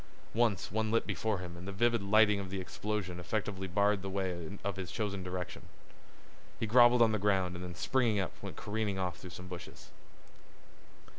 Once one lit before him and the livid lightning of the explosion effectually barred the way in his chosen direction. He groveled on the ground and then springing up went careering off through some bushes.